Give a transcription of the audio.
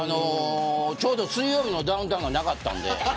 ちょうど水曜日のダウンタウンがなかったので。